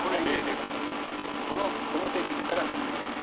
このセリフから始まります。